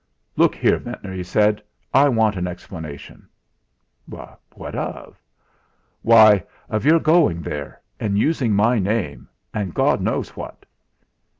"Look here, Ventnor," he said, "I want an explanation." "What of?" "Why, of your going there, and using my name, and God knows what."